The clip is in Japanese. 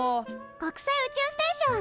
国際宇宙ステーション！